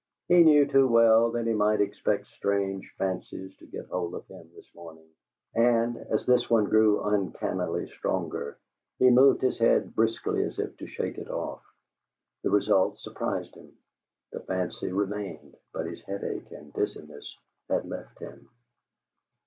He knew too well that he might expect strange fancies to get hold of him this morning, and, as this one grew uncannily stronger, he moved his head briskly as if to shake it off. The result surprised him; the fancy remained, but his headache and dizziness had left him.